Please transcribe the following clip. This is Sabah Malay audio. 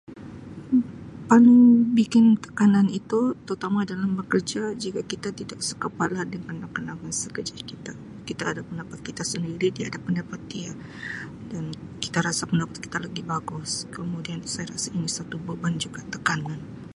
Um Paling bikin tekanan itu terutama dalam kerja jika kita tidak sekepala dengan rakan sekerja kita. Kita ada pendapat kita sendiri, dia ada pendapat dia dan kita rasa pendapat kita lebih bagus kemudian saya rasa ini satu beban juga, tekanan.